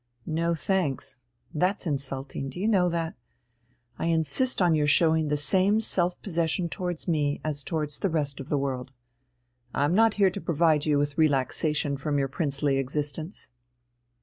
"No, thanks. That's insulting, do you know that? I insist on your showing the same self possession towards me as towards the rest of the world. I'm not here to provide you with relaxation from your princely existence."